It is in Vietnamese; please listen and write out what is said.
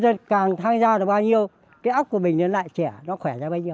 rồi càng tham gia được bao nhiêu cái ốc của mình lại trẻ nó khỏe ra bao nhiêu